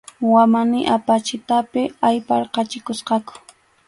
Wamani apachitapi ayparqachikusqaku.